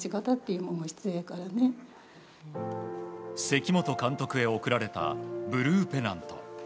関本監督へ贈られたブルーペナント。